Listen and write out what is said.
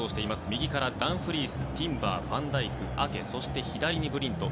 右からダンフリース、ティンバーファンダイク、アケ左にブリント。